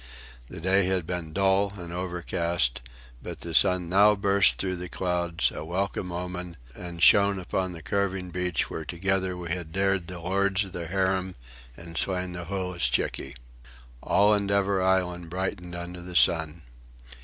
The day had been dull and overcast, but the sun now burst through the clouds, a welcome omen, and shone upon the curving beach where together we had dared the lords of the harem and slain the holluschickie. All Endeavour Island brightened under the sun.